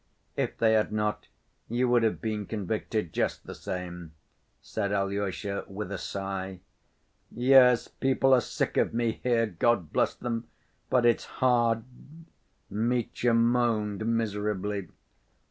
"If they had not, you would have been convicted just the same," said Alyosha, with a sigh. "Yes, people are sick of me here! God bless them, but it's hard," Mitya moaned miserably.